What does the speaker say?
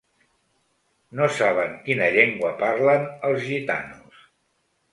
No saben quina llengua parlen els gitanos.